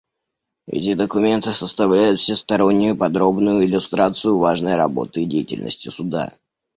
Эти документы составляют всестороннюю и подробную иллюстрацию важной работы и деятельности Суда.